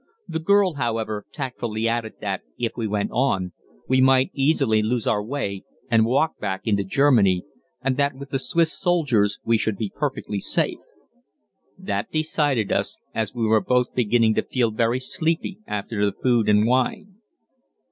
The girl, however, tactfully added that, if we went on, we might easily lose our way and walk back into Germany, and that with the Swiss soldiers we should be perfectly safe. That decided us, as we were both beginning to feel very sleepy after the food and wine.